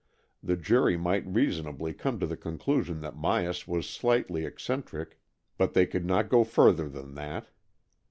The jury might reasonably come to the conclusion that Myas was slightly eccentric, but they could not go further than that.